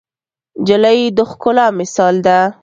نجلۍ د ښکلا مثال ده.